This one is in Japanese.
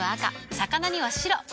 魚には白。